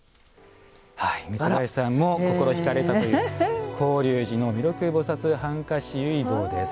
三林さんも心ひかれたという広隆寺の弥勒菩薩半跏思惟像です。